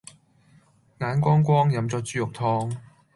眼光光，飲咗豬肉湯